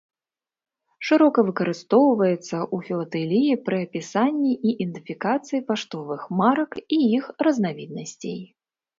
Шырока выкарыстоўваецца ў філатэліі пры апісанні і ідэнтыфікацыі паштовых марак і іх разнавіднасцей.